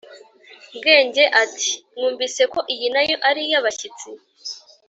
bwenge ati "mwumvise ko iyi na yo ari iy'abashyitsi,